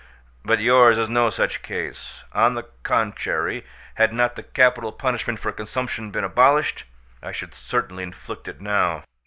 But yours is no such case; on the contrary, had not the capital punishment for consumption been abolished, I should certainly inflict it now.